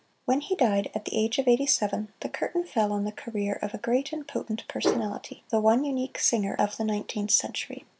When he died, at the age of eighty seven, the curtain fell on the career of a great and potent personality the one unique singer of the Nineteenth Century.